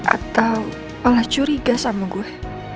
atau malah curiga sama gue